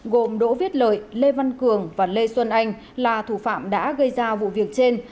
gồm đỗ viết lợi lê văn cường và lê xuân anh là thủ phạm đã gây ra vụ việc trên